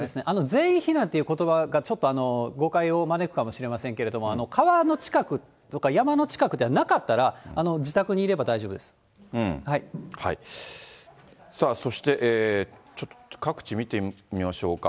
全員避難ということばがちょっと誤解を招くかもしれませんけれども、川の近くとか、山の近くじゃなかったら、自宅にいれば大丈夫そして、各地見てみましょうか。